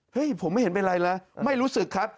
ผมไม่เห็นเป็นไรเลยไม่รู้สึกครับ